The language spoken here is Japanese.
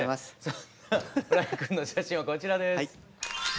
そんな浦井くんの写真はこちらです。